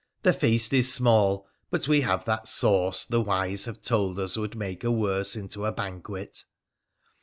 ' The feast is small, but we have that sauce the wise have told us would make a worse into a banquet.'